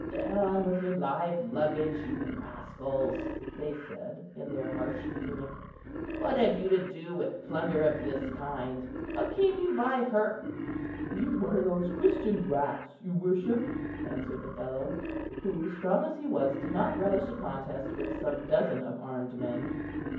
"Down with your live luggage, you rascals," they said, in their harsh Punic; "what have you to do with plunder of this kind? and how came you by her?" "She's one of those Christian rats, your worship," answered the fellow, who, strong as he was, did not relish a contest with some dozen of armed men.